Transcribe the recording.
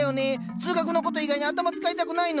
数学の事以外に頭使いたくないの。